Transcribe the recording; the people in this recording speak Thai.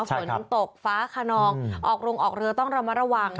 ฝนตกฟ้าขนองออกโรงออกเรือต้องระมัดระวัง